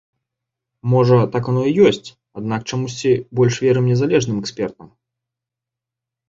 Можа, так яно і ёсць, аднак чамусьці больш верыш незалежным экспертам.